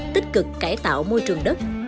tích cực cải tạo môi trường đất